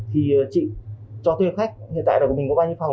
thì chị cho thuê khách hiện tại là mình có bao nhiêu phòng